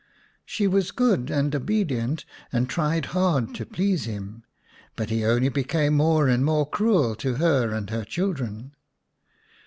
She was good and obedient, and tried hard to please him, but he only became more and more cruel to her and her children.